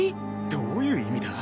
どういう意味だ？